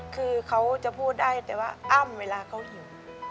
คือเขาจะพูดได้แต่ว่าอ้ำเวลาเขาหิว